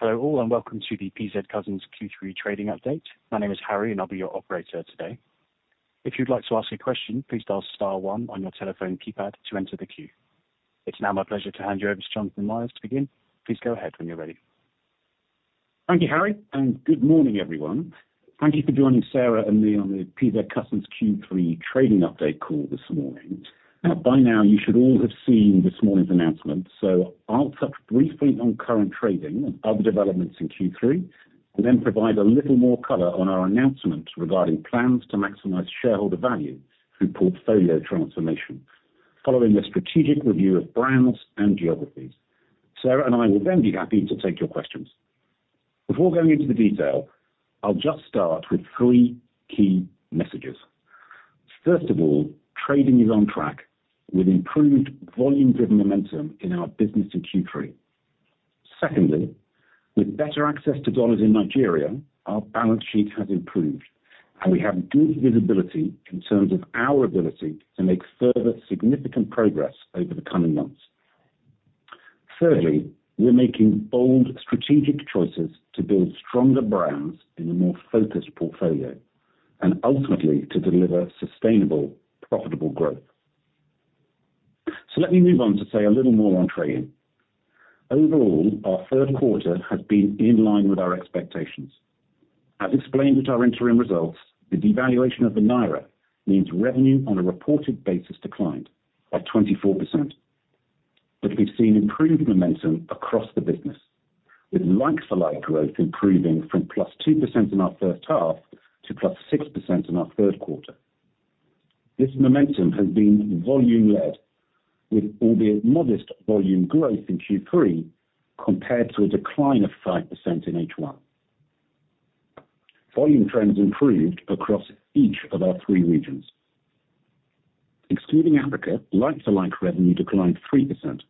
Hello all and welcome to the PZ Cussons Q3 trading update. My name is Harry and I'll be your operator today. If you'd like to ask a question, please dial star one on your telephone keypad to enter the queue. It's now my pleasure to hand you over to Jonathan Myers to begin. Please go ahead when you're ready. Thank you, Harry, and good morning everyone. Thank you for joining Sarah and me on the PZ Cussons Q3 trading update call this morning. By now you should all have seen this morning's announcement, so I'll touch briefly on current trading and other developments in Q3, and then provide a little more color on our announcement regarding plans to maximize shareholder value through portfolio transformation following a strategic review of brands and geographies. Sarah and I will then be happy to take your questions. Before going into the detail, I'll just start with three key messages. First of all, trading is on track with improved volume-driven momentum in our business in Q3. Secondly, with better access to dollars in Nigeria, our balance sheet has improved, and we have good visibility in terms of our ability to make further significant progress over the coming months. Thirdly, we're making bold strategic choices to build stronger brands in a more focused portfolio, and ultimately to deliver sustainable, profitable growth. So let me move on to say a little more on trading. Overall, our third quarter has been in line with our expectations. As explained with our interim results, the devaluation of the Naira means revenue on a reported basis declined by 24%. But we've seen improved momentum across the business, with like-for-like growth improving from +2% in our first half to +6% in our third quarter. This momentum has been volume-led, with albeit modest volume growth in Q3 compared to a decline of 5% in H1. Volume trends improved across each of our three regions. Excluding Africa, like-for-like revenue declined 3%,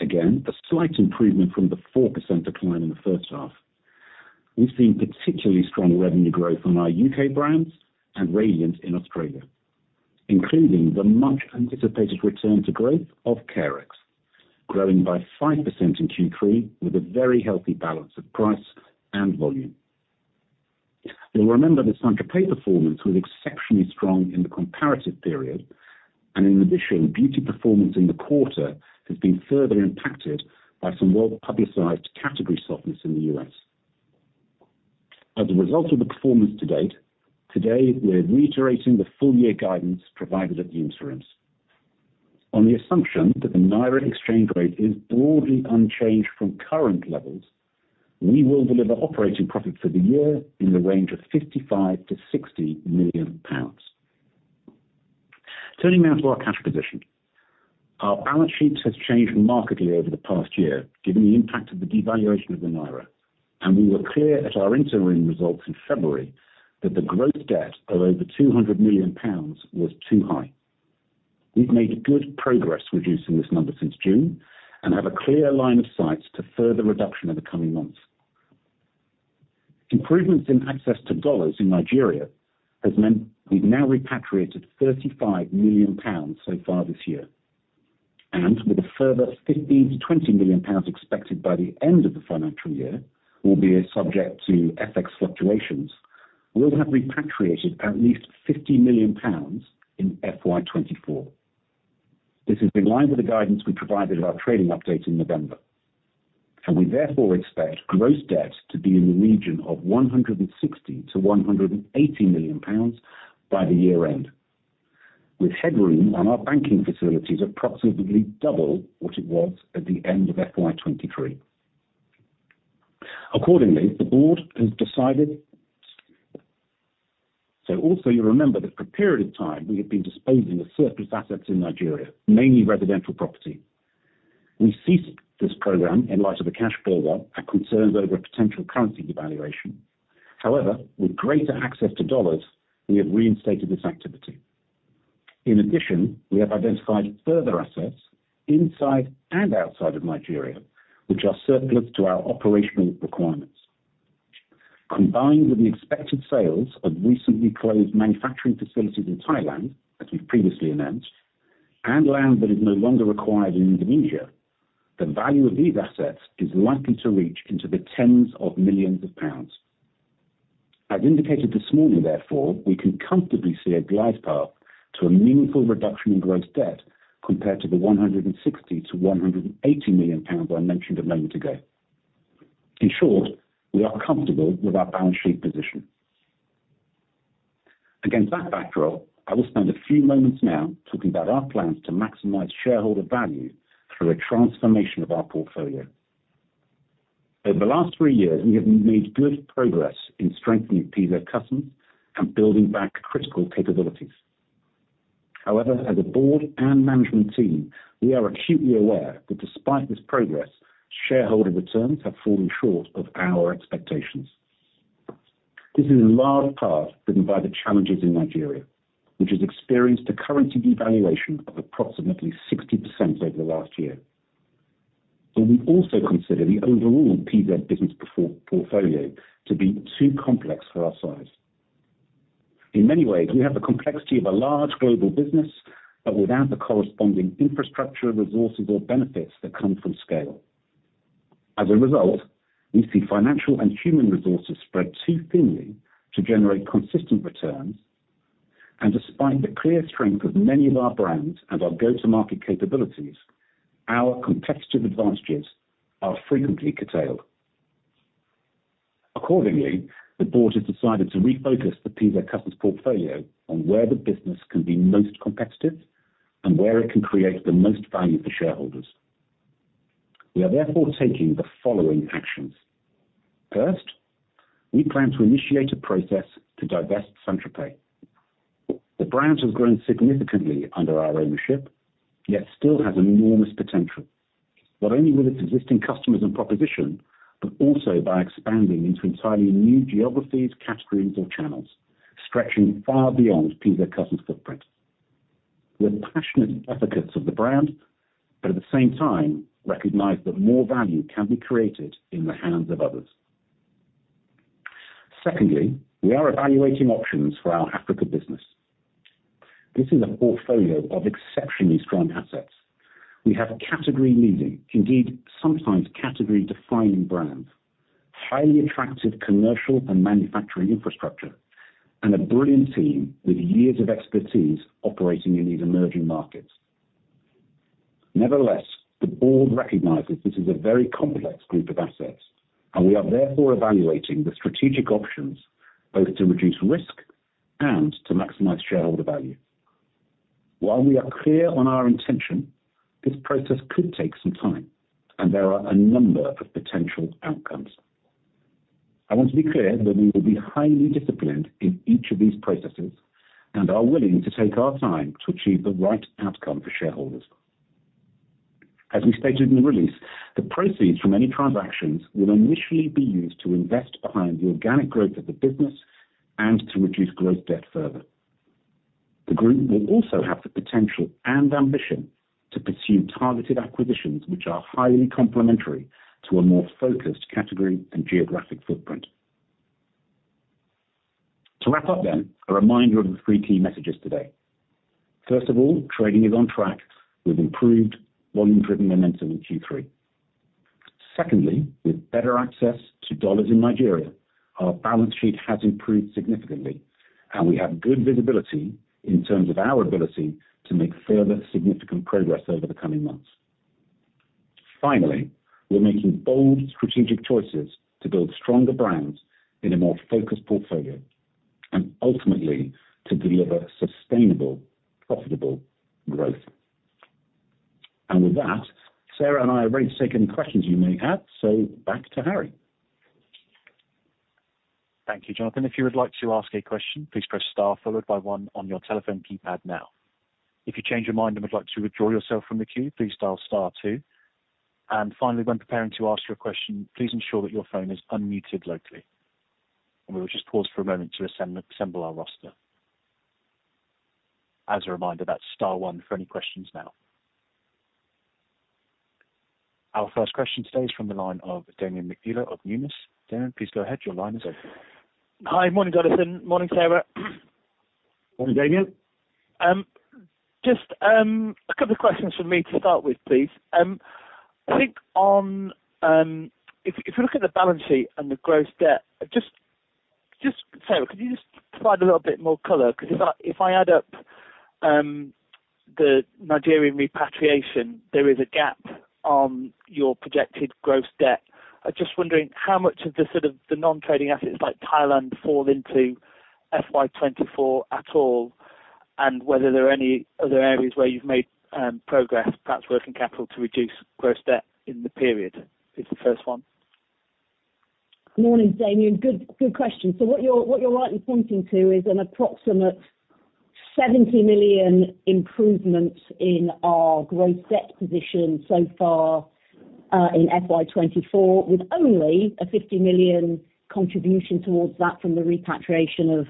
again a slight improvement from the 4% decline in the first half. We've seen particularly strong revenue growth on our U.K. brands and Radiant in Australia, including the much-anticipated return to growth of Carex, growing by 5% in Q3 with a very healthy balance of price and volume. You'll remember the Sanctuary performance was exceptionally strong in the comparative period, and in addition, beauty performance in the quarter has been further impacted by some well-publicized category softness in the U.S. As a result of the performance to date, today we're reiterating the full-year guidance provided at the interims. On the assumption that the Naira exchange rate is broadly unchanged from current levels, we will deliver operating profit for the year in the range of 55 million-60 million pounds. Turning now to our cash position. Our balance sheet has changed markedly over the past year given the impact of the devaluation of the Naira, and we were clear at our interim results in February that the gross debt of over 200 million pounds was too high. We've made good progress reducing this number since June and have a clear line of sight to further reduction in the coming months. Improvements in access to dollars in Nigeria have meant we've now repatriated 35 million pounds so far this year. And with a further 15 million-20 million pounds expected by the end of the financial year, albeit subject to FX fluctuations, we'll have repatriated at least 50 million pounds in FY 2024. This is in line with the guidance we provided at our trading update in November. We therefore expect gross debt to be in the region of 160 million-180 million pounds by the year-end, with headroom on our banking facilities of approximately double what it was at the end of FY 2023. Accordingly, the board has decided. So also you'll remember that for a period of time we have been disposing of surplus assets in Nigeria, mainly residential property. We ceased this program in light of a cash build-up and concerns over a potential currency devaluation. However, with greater access to dollars, we have reinstated this activity. In addition, we have identified further assets inside and outside of Nigeria, which are surplus to our operational requirements. Combined with the expected sales of recently closed manufacturing facilities in Thailand, as we've previously announced, and land that is no longer required in Indonesia, the value of these assets is likely to reach into the tens of millions GBP. As indicated this morning, therefore, we can comfortably see a glide path to a meaningful reduction in gross debt compared to the 160 million-180 million pounds I mentioned a moment ago. In short, we are comfortable with our balance sheet position. Against that backdrop, I will spend a few moments now talking about our plans to maximize shareholder value through a transformation of our portfolio. Over the last three years, we have made good progress in strengthening PZ Cussons and building back critical capabilities. However, as a board and management team, we are acutely aware that despite this progress, shareholder returns have fallen short of our expectations. This is in large part driven by the challenges in Nigeria, which has experienced a currency devaluation of approximately 60% over the last year. We also consider the overall PZ business portfolio to be too complex for our size. In many ways, we have the complexity of a large global business, but without the corresponding infrastructure, resources, or benefits that come from scale. As a result, we see financial and human resources spread too thinly to generate consistent returns. Despite the clear strength of many of our brands and our go-to-market capabilities, our competitive advantages are frequently curtailed. Accordingly, the board has decided to refocus the PZ Cussons portfolio on where the business can be most competitive and where it can create the most value for shareholders. We are therefore taking the following actions. First, we plan to initiate a process to divest Sanctuary Spa. The brand has grown significantly under our ownership, yet still has enormous potential, not only with its existing customers and proposition, but also by expanding into entirely new geographies, categories, or channels, stretching far beyond PZ Cussons' footprint. We're passionate advocates of the brand, but at the same time recognize that more value can be created in the hands of others. Secondly, we are evaluating options for our Africa business. This is a portfolio of exceptionally strong assets. We have category-leading, indeed sometimes category-defining brands, highly attractive commercial and manufacturing infrastructure, and a brilliant team with years of expertise operating in these emerging markets. Nevertheless, the board recognizes this is a very complex group of assets, and we are therefore evaluating the strategic options both to reduce risk and to maximize shareholder value. While we are clear on our intention, this process could take some time, and there are a number of potential outcomes. I want to be clear that we will be highly disciplined in each of these processes and are willing to take our time to achieve the right outcome for shareholders. As we stated in the release, the proceeds from any transactions will initially be used to invest behind the organic growth of the business and to reduce gross debt further. The group will also have the potential and ambition to pursue targeted acquisitions, which are highly complementary to a more focused category and geographic footprint. To wrap up, then, a reminder of the three key messages today. First of all, trading is on track with improved volume-driven momentum in Q3. Secondly, with better access to U.S. dollars in Nigeria, our balance sheet has improved significantly, and we have good visibility in terms of our ability to make further significant progress over the coming months. Finally, we're making bold strategic choices to build stronger brands in a more focused portfolio, and ultimately to deliver sustainable, profitable growth. With that, Sarah and I have already taken questions you may have, so back to Harry. Thank you, Jonathan. If you would like to ask a question, please press star followed by one on your telephone keypad now. If you change your mind and would like to withdraw yourself from the queue, please dial star two. And finally, when preparing to ask your question, please ensure that your phone is unmuted locally. And we will just pause for a moment to assemble our roster. As a reminder, that's star one for any questions now. Our first question today is from the line of Damian McNeela of Numis. Damian, please go ahead. Your line is. Hi. Morning, Jonathan. Morning, Sarah. Morning, Damian. Just a couple of questions from me to start with, please. I think if we look at the balance sheet and the gross debt, just Sarah, could you just provide a little bit more color? Because if I add up the Nigerian repatriation, there is a gap on your projected gross debt. I'm just wondering how much of the non-trading assets like Thailand fall into FY 2024 at all, and whether there are any other areas where you've made progress, perhaps working capital to reduce gross debt in the period is the first one. Morning, Damian. Good question. So what you're rightly pointing to is an approximate 70 million improvement in our gross debt position so far in FY24, with only a 50 million contribution towards that from the repatriation of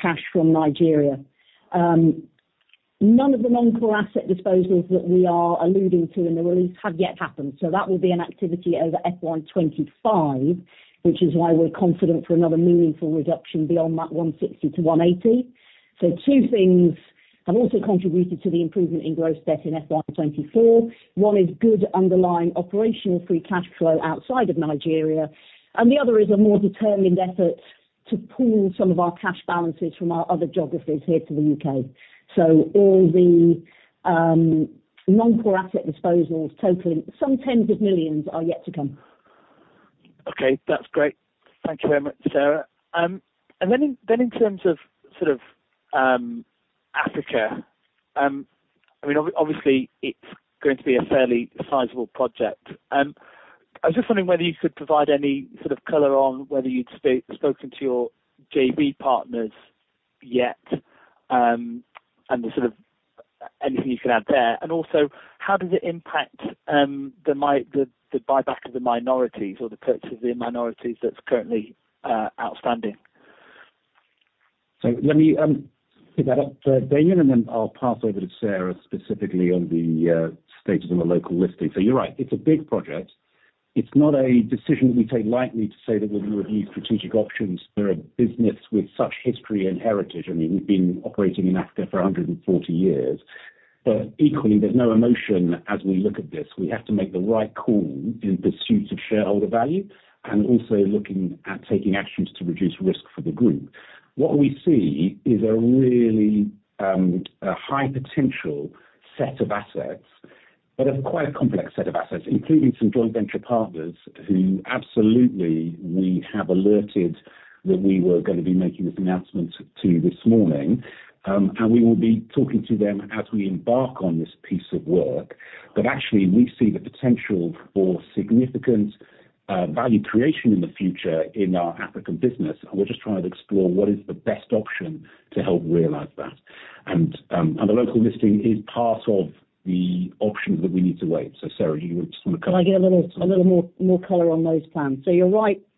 cash from Nigeria. None of the non-core asset disposals that we are alluding to in the release have yet happened. So that will be an activity over FY25, which is why we're confident for another meaningful reduction beyond that 160-180. So two things have also contributed to the improvement in gross debt in FY24. One is good underlying operational free cash flow outside of Nigeria, and the other is a more determined effort to pull some of our cash balances from our other geographies here to the U.K.. So all the non-core asset disposals totaling some tens of millions are yet to come. Okay. That's great. Thank you very much, Sarah. Then in terms of Africa, I mean, obviously it's going to be a fairly sizable project. I was just wondering whether you could provide any sort of color on whether you'd spoken to your JV partners yet and anything you could add there. And also, how does it impact the buyback of the minorities or the purchase of the minorities that's currently outstanding? So let me pick that up, Damian, and then I'll pass over to Sarah specifically on the status on the local listing. So you're right. It's a big project. It's not a decision that we take lightly to say that we're going to review strategic options. We're a business with such history and heritage. I mean, we've been operating in Africa for 140 years. But equally, there's no emotion as we look at this. We have to make the right call in pursuit of shareholder value and also looking at taking actions to reduce risk for the group. What we see is a really high-potential set of assets, but quite a complex set of assets, including some joint venture partners who absolutely we have alerted that we were going to be making this announcement to this morning. We will be talking to them as we embark on this piece of work. But actually, we see the potential for significant value creation in the future in our African business, and we're just trying to explore what is the best option to help realize that. The local listing is part of the options that we need to weigh. Sarah, do you just want to comment? I get a little more color on those plans. So you're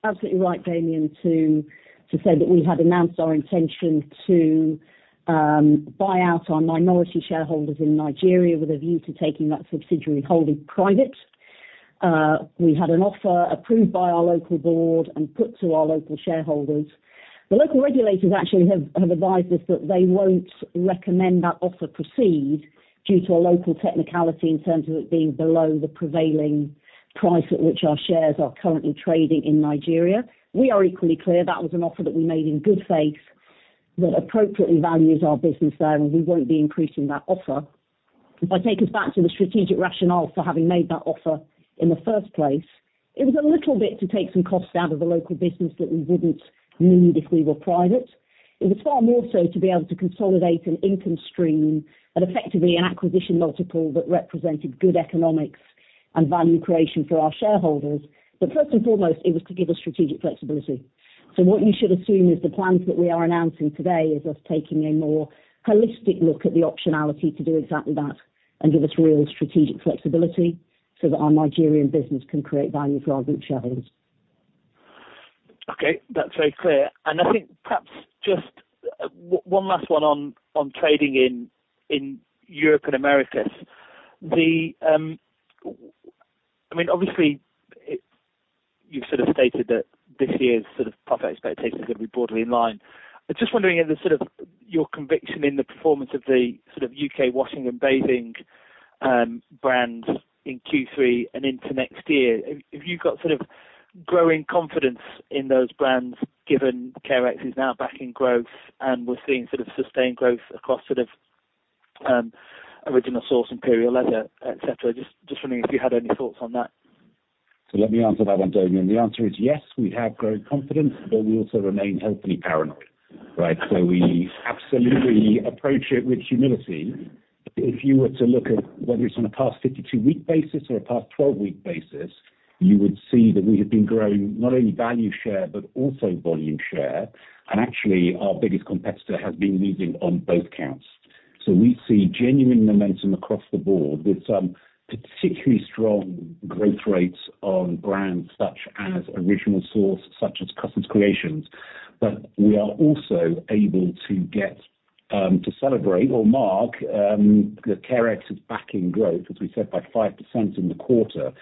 absolutely right, Damian, to say that we had announced our intention to buy out our minority shareholders in Nigeria with a view to taking that subsidiary holding private. We had an offer approved by our local board and put to our local shareholders. The local regulators actually have advised us that they won't recommend that offer proceed due to a local technicality in terms of it being below the prevailing price at which our shares are currently trading in Nigeria. We are equally clear that was an offer that we made in good faith that appropriately values our business there, and we won't be increasing that offer. If I take us back to the strategic rationale for having made that offer in the first place, it was a little bit to take some costs out of the local business that we wouldn't need if we were private. It was far more so to be able to consolidate an income stream and effectively an acquisition multiple that represented good economics and value creation for our shareholders. But first and foremost, it was to give us strategic flexibility. So what you should assume is the plans that we are announcing today is us taking a more holistic look at the optionality to do exactly that and give us real strategic flexibility so that our Nigerian business can create value for our group shareholders. Okay. That's very clear. And I think perhaps just one last one on trading in Europe and Americas. I mean, obviously, you've sort of stated that this year's profit expectations are going to be broadly in line. I'm just wondering if your conviction in the performance of the U.K. washing and bathing brands in Q3 and into next year, have you got sort of growing confidence in those brands given Carex is now back in growth and we're seeing sort of sustained growth across Original Source, Imperial Leather, etc.? Just wondering if you had any thoughts on that. So let me answer that one, Damian. The answer is yes, we have growing confidence, but we also remain healthily paranoid, right? So we absolutely approach it with humility. But if you were to look at whether it's on a past 52-week basis or a past 12-week basis, you would see that we have been growing not only value share but also volume share. And actually, our biggest competitor has been losing on both counts. So we see genuine momentum across the board with some particularly strong growth rates on brands such as Original Source, such as Cussons Creations. But we are also able to celebrate or mark that Carex is back in growth, as we said, by 5% in the quarter,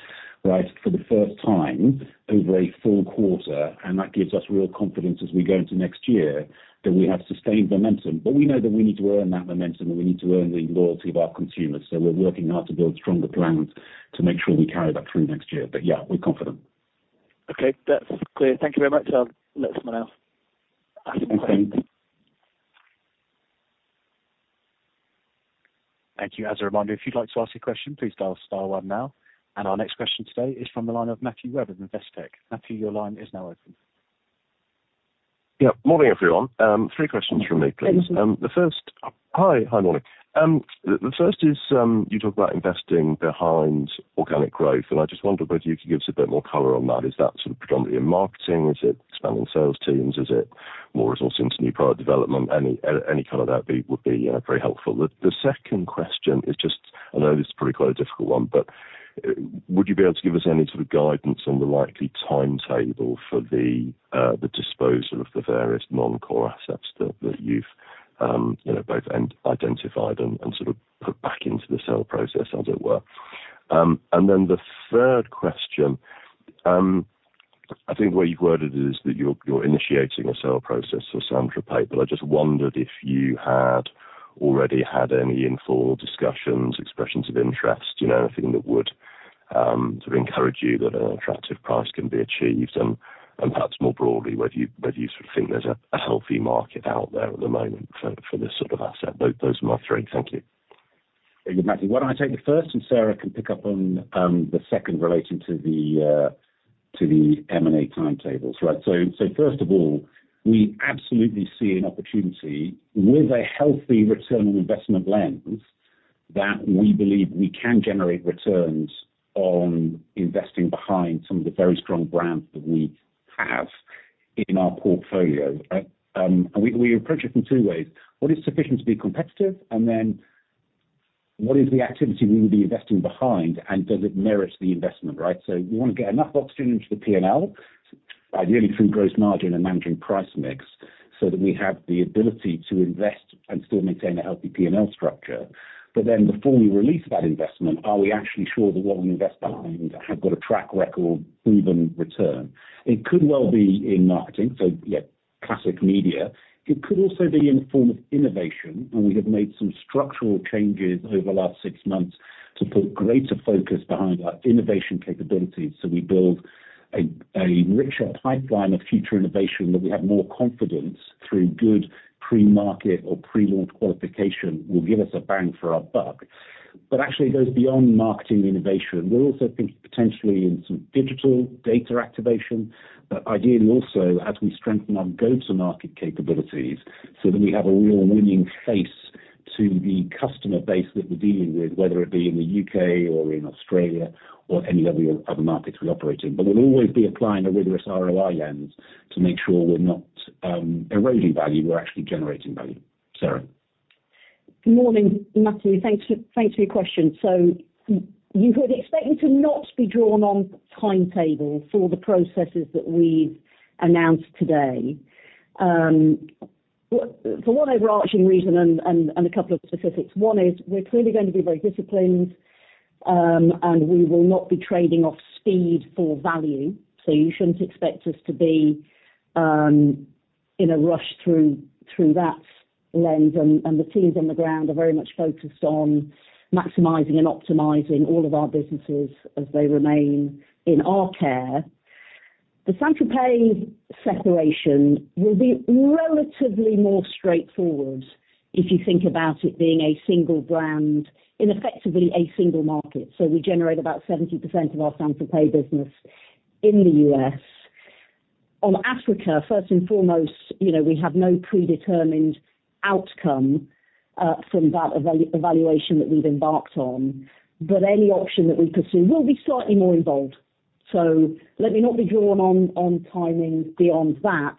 right, for the first time over a full quarter. And that gives us real confidence as we go into next year that we have sustained momentum. But we know that we need to earn that momentum, and we need to earn the loyalty of our consumers. So we're working hard to build stronger plans to make sure we carry that through next year. But yeah, we're confident. Okay. That's clear. Thank you very much. I'll let someone else ask some questions. Thank you. As a reminder, if you'd like to ask a question, please dial star one now. Our next question today is from the line of Matthew Webb of Investec. Matthew, your line is now open. Yeah. Morning, everyone. Three questions from me, please. The first is you talk about investing behind organic growth, and I just wonder whether you could give us a bit more color on that. Is that sort of predominantly in marketing? Is it expanding sales teams? Is it more resourcing to new product development? Any color that would be very helpful. The second question is just I know this is probably quite a difficult one, but would you be able to give us any sort of guidance on the likely timetable for the disposal of the various non-core assets that you've both identified and sort of put back into the sale process, as it were? And then the third question, I think the way you've worded it is that you're initiating a sale process for Sanctuary Spa. I just wondered if you had already had any informal discussions, expressions of interest, anything that would sort of encourage you that an attractive price can be achieved, and perhaps more broadly, whether you sort of think there's a healthy market out there at the moment for this sort of asset. Those are my three. Thank you. Thank you, Matthew. Why don't I take the first, and Sarah can pick up on the second relating to the M&A timetables, right? So first of all, we absolutely see an opportunity with a healthy return on investment lens that we believe we can generate returns on investing behind some of the very strong brands that we have in our portfolio, right? And we approach it from two ways. What is sufficient to be competitive? And then what is the activity we would be investing behind, and does it merit the investment, right? So we want to get enough oxygen into the P&L, ideally through gross margin and managing price mix, so that we have the ability to invest and still maintain a healthy P&L structure. But then before we release that investment, are we actually sure that what we invest behind has got a track record, proven return? It could well be in marketing, so yeah, classic media. It could also be in the form of innovation. We have made some structural changes over the last six months to put greater focus behind our innovation capabilities. We build a richer pipeline of future innovation that we have more confidence through good pre-market or pre-launch qualification will give us a bang for our buck. But actually, it goes beyond marketing and innovation. We're also thinking potentially in some digital data activation, but ideally also as we strengthen our go-to-market capabilities so that we have a real winning face to the customer base that we're dealing with, whether it be in the U.K. or in Australia or any of the other markets we operate in. But we'll always be applying a rigorous ROI lens to make sure we're not eroding value. We're actually generating value. Sarah. Good morning, Matthew. Thanks for your question. So you were expecting to not be drawn on timetable for the processes that we've announced today. For one overarching reason and a couple of specifics, one is we're clearly going to be very disciplined, and we will not be trading off speed for value. So you shouldn't expect us to be in a rush through that lens. And the teams on the ground are very much focused on maximizing and optimizing all of our businesses as they remain in our care. The Sanctuary Spa separation will be relatively more straightforward if you think about it being a single brand in effectively a single market. So we generate about 70% of our Sanctuary Spa business in the U.S. On Africa, first and foremost, we have no predetermined outcome from that evaluation that we've embarked on. But any option that we pursue will be slightly more involved. So let me not be drawn on timing beyond that.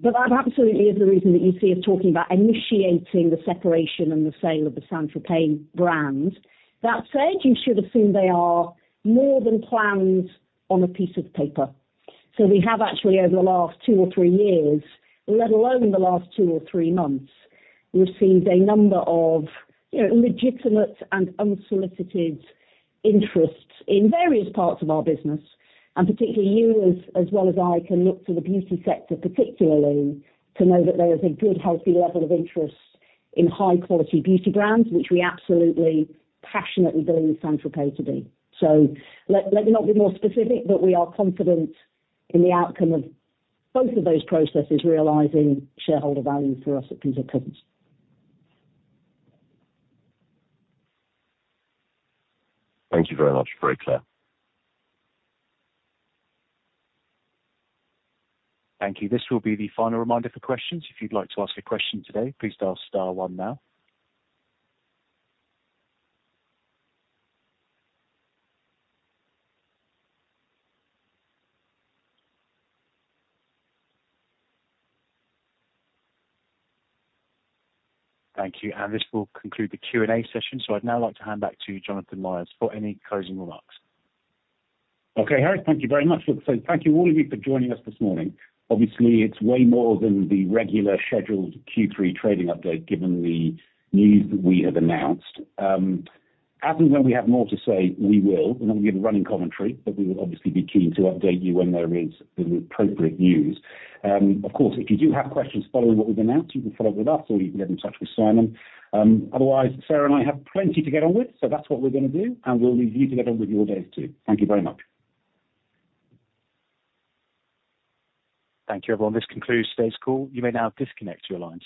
But that absolutely is the reason that you see us talking about initiating the separation and the sale of the Sanctuary Spa brand. That said, you should assume they are more than plans on a piece of paper. So we have actually, over the last two or three years, let alone the last two or three months, received a number of legitimate and unsolicited interests in various parts of our business. And particularly, you as well as I can look to the beauty sector particularly to know that there is a good, healthy level of interest in high-quality beauty brands, which we absolutely, passionately believe Sanctuary Spa to be. Let me not be more specific, but we are confident in the outcome of both of those processes realizing shareholder value for us at PZ Cussons. Thank you very much. Very clear. Thank you. This will be the final reminder for questions. If you'd like to ask a question today, please dial star one now. Thank you. This will conclude the Q&A session. I'd now like to hand back to Jonathan Myers for any closing remarks. Okay. Harry, thank you very much. So thank you all of you for joining us this morning. Obviously, it's way more than the regular scheduled Q3 trading update given the news that we have announced. As and when we have more to say, we will. We're not going to give a running commentary, but we will obviously be keen to update you when there is appropriate news. Of course, if you do have questions following what we've announced, you can follow up with us, or you can get in touch with Simon. Otherwise, Sarah and I have plenty to get on with, so that's what we're going to do. And we'll leave you to get on with your days too. Thank you very much. Thank you, everyone. This concludes today's call. You may now disconnect your lines.